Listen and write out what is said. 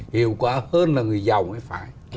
hiệu quả hơn là người giàu mới phải